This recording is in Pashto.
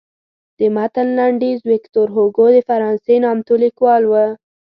د متن لنډیز ویکتور هوګو د فرانسې نامتو لیکوال و.